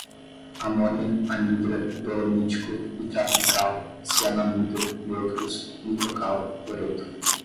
amônia, anidra, dolomítico, nitrato de cal, cianamida, neutros, nitrocal, cloreto